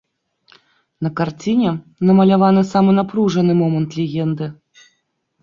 На карціне намаляваны самы напружаны момант легенды.